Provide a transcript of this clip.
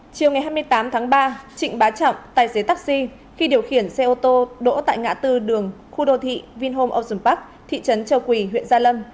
chiều ngày hai mươi tám tháng ba trịnh bá trọng tài xế taxi khi điều khiển xe ô tô đỗ tại ngã tư đường khu đô thị vinhome ocean park thị trấn châu quỳ huyện gia lâm